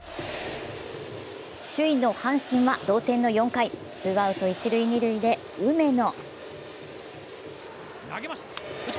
首位の阪神は同点の４回、ツーアウト、一・二塁で梅野。